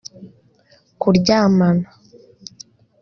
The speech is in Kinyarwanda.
kuryamana